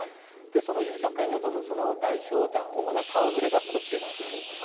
その夕食会に臨むその代表団、主な顔ぶれがこちらです。